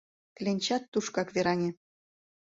Кленчат тушкак вераҥе.